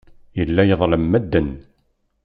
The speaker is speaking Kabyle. Yella iḍellem medden.